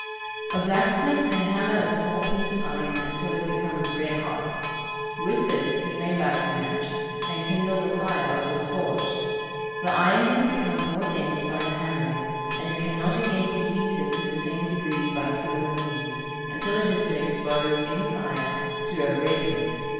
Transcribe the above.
A blacksmith may hammer a small piece of iron until it becomes red hot. With this he may light a match, and kindle the fire of his forge. The iron has become more dense by the hammering, and it cannot again be heated to the same degree by similar means, until it has been exposed in fire, to a red heat.